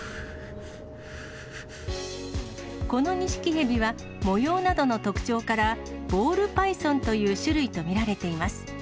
このニシキヘビは模様などの特徴から、ボールパイソンという種類と見られています。